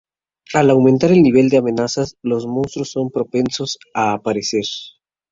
Al aumentar el nivel de amenaza, los monstruos son más propensos a aparecer.